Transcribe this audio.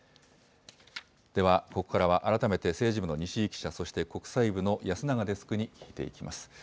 では、ここからは改めて、政治部の西井記者、そして国際部の安永デスクに聞いていきます。